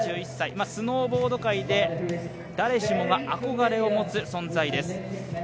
３１歳、スノーボード界で誰しもが憧れを持つ存在です。